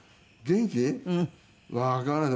わからない。